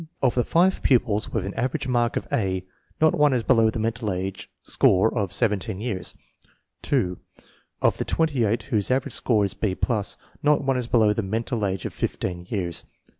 Of the 5 pupils with an average mark of A, not one is below the mental age score of 17 years.. 2. Of the 28 whose average score is B +, not one is below the mental age of 15 years.